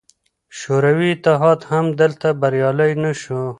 شوروي اتحاد هم دلته بریالی نه شو.